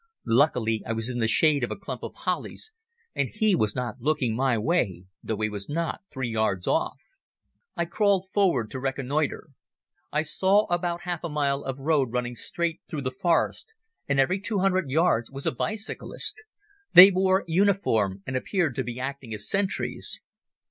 Luckily I was in the shade of a clump of hollies and he was not looking my way, though he was not three yards off. I crawled forward to reconnoitre. I saw about half a mile of road running straight through the forest and every two hundred yards was a bicyclist. They wore uniform and appeared to be acting as sentries.